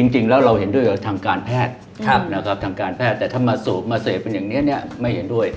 จริงแล้วเราเห็นด้วยกับทางการแพทย์ทางการแพทย์แต่ถ้ามาสูบมาเสพเป็นอย่างนี้ไม่เห็นด้วย